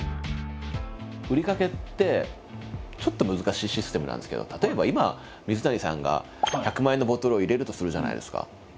売り掛けってちょっと難しいシステムなんですけど例えば今水谷さんが１００万円のボトルを入れるとするじゃないですか。